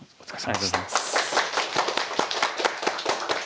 ありがとうございます。